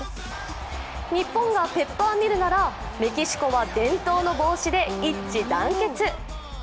日本がペッパーミルならメキシコは伝統の帽子で一致団結。